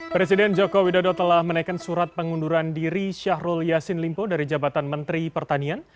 presiden joko widodo telah menaikkan surat pengunduran diri syahrul yassin limpo dari jabatan menteri pertanian